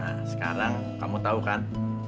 nah sekarang kamu tahu kan